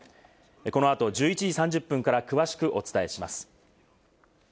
この後１１時３０分から詳しくお伝えします。